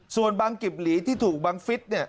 ส่วนบังกิบหลีที่ถูกบังฟิศเนี่ย